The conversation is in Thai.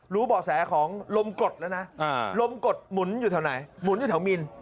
รู้บ่อแสของลมกฎนะนะลมกฎหมุนอยู่แถวไหนหมุนอยู่แถวมิน